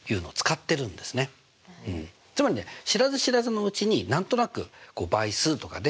つまりね知らず知らずのうちに何となく倍数とかね